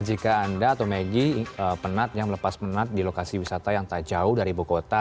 jika anda atau maggie penat yang melepas penat di lokasi wisata yang tak jauh dari ibu kota